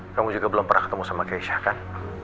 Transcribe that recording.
kamu juga belum pernah ketemu sama keisha kan